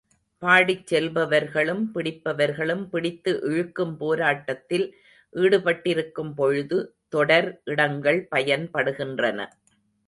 பாடிச் செல்பவர்களும் பிடிப்பவர்களும் பிடித்து இழுக்கும் போராட்டத்தில் ஈடுபட்டிருக்கும்பொழுது தொடர் இடங்கள் பயன்படுகின்றன.